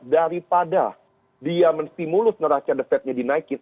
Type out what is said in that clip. daripada dia menstimulus neraca the fed nya dinaikin